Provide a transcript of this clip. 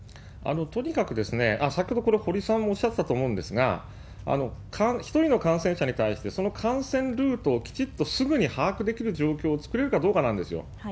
とにかく、先ほど堀さんもおっしゃってたと思うんですが、１人の感染者に対して、その感染ルートをきちっとすぐに把握できる状況を作れるかどうかなんですよ。